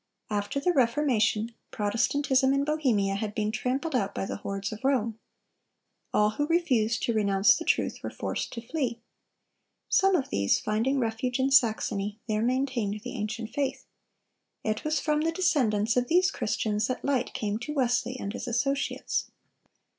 After the Reformation, Protestantism in Bohemia had been trampled out by the hordes of Rome. All who refused to renounce the truth were forced to flee. Some of these, finding refuge in Saxony, there maintained the ancient faith. It was from the descendants of these Christians that light came to Wesley and his associates.